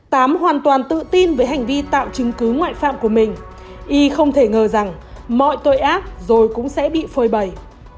tám hoàn toàn tự tin với hành vi tạo chứng cứ ngoại phạm của mình y không thể ngờ rằng mọi tội ác rồi cũng sẽ bị phơi bầy